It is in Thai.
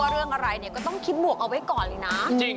เรื่องอะไรเนี่ยก็ต้องคิดบวกเอาไว้ก่อนเลยนะ